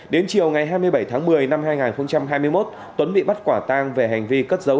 đến chiều ngày hai mươi bảy tháng một mươi năm hai nghìn hai mươi một tuấn bị bắt quả tang về hành vi cất dấu